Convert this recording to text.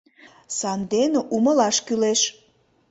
Сандене умылаш кӱлеш.